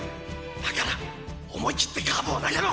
だから思い切ってカーブを投げろ！